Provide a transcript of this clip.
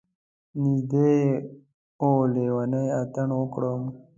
نږدې و لیونی اتڼ وکړم.